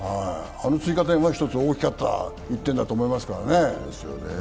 あの追加点は大きかった１点だと思いますからね。